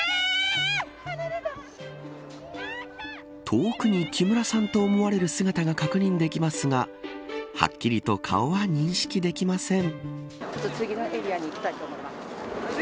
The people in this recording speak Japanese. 遠くに、木村さんと思われる姿が確認できますがはっきりと顔は認識できません。